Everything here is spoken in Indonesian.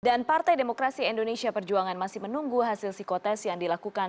dan partai demokrasi indonesia perjuangan masih menunggu hasil psikotest yang dilakukan